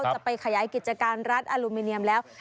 จะไปขยายกิจการรัฐอลูมิเนียมแล้ว